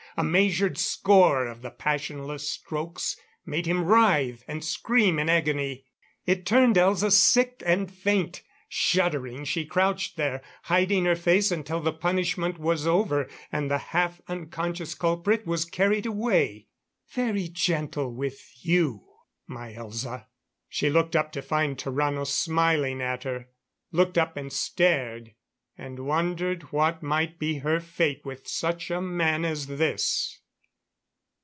A measured score of the passionless strokes made him writhe and scream in agony. It turned Elza sick and faint. Shuddering, she crouched there, hiding her face until the punishment was over and the half unconscious culprit was carried away. "Very gentle with you, my Elza...." She looked up to find Tarrano smiling at her; looked up and stared, and wondered what might be her fate with such a man as this.